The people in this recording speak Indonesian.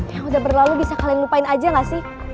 yang udah berlalu bisa kalian lupain aja gak sih